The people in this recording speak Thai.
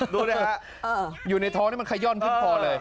ดูนะครับอยู่ในท้องนี่มันไขย่อนพิษพอเลย